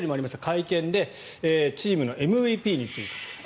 会見でチームのＭＶＰについて。